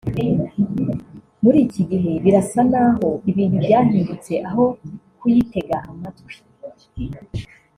muri iki gihe birasa n’aho ibintu byahindutse aho kuyitega amatwi